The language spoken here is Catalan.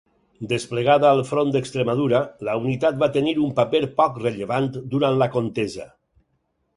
Desplegada al front d'Extremadura, la unitat va tenir un paper poc rellevant durant la contesa.